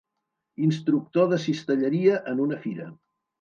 Instructor de cistelleria en una fira